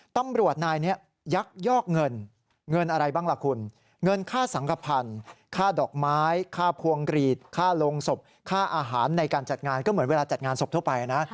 ตำรวจนายยักษ์ยอกเงินเงินอะไรบ้างล่ะคุณ